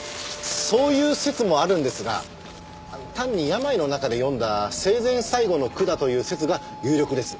そういう説もあるんですが単に病の中で詠んだ生前最後の句だという説が有力です。